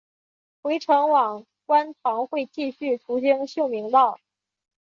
回程往观塘会继续途经秀明道。